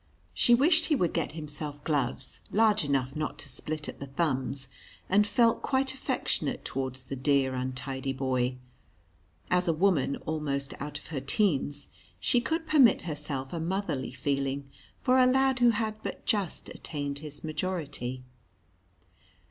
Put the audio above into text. She wished he would get himself gloves large enough not to split at the thumbs, and felt quite affectionate towards the dear, untidy boy. As a woman almost out of her teens, she could permit herself a motherly feeling for a lad who had but just attained his majority.